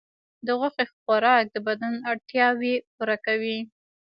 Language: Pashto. د غوښې خوراک د بدن اړتیاوې پوره کوي.